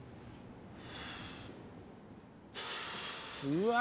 うわ！